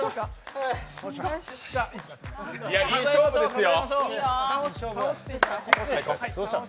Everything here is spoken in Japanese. いい勝負ですよ。